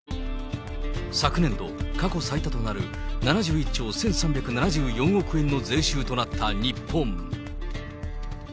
昨年度、過去最多となる７１兆１３７４億円の税収となった日本。